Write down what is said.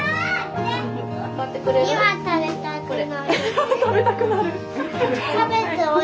今食べたくなる？